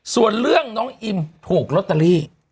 ส่วนเรื่องน้องอิมถูกลอตเตอรี่